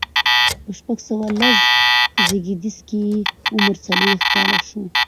په شپږ سوه لس زيږديز کې یې عمر څلوېښت کاله شو.